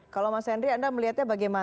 kalau mas henry anda melihatnya bagaimana